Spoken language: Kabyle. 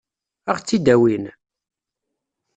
Ad ɣ-tt-id-awin?